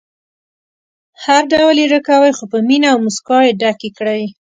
هر ډول یې ډکوئ خو په مینه او موسکا ډکې کړئ.